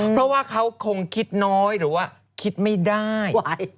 เพราะว่าเขาคงคิดน้อยหรือว่าคิดไม่ได้